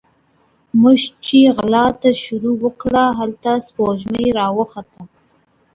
موږ چې غلا ته شروع وکړه، هلته سپوږمۍ راوخته